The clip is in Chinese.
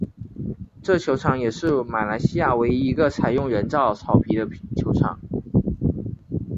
这球场也是马来西亚唯一一个采用人造草皮的球场。